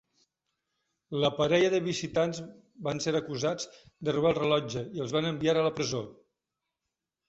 La parella de visitants van ser acusats de robar el rellotge i els van enviar a la presó.